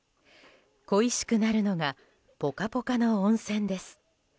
恋しくなるのがポカポカの温泉です。